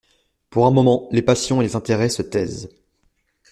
Pour un moment, les passions et les intérêts se taisent.